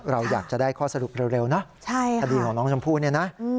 เราอยากจะได้ข้อสรุปเร็วนะคดีของน้องชมพู่เนี่ยนะ